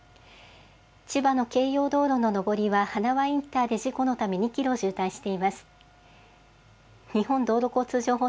千葉の京葉道路の上りは花輪インターで事故のため２キロ渋滞しています。